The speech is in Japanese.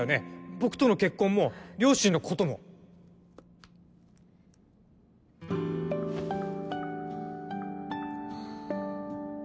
僕との結婚も両親のこともハァ。